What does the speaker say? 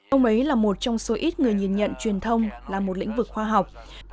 ông ấy là một trong số ít người nhìn nhận truyền thông là một lĩnh vực khoa học